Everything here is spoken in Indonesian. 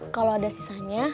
kalo ada sisanya